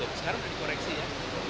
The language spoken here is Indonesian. sekarang dikoreksi ya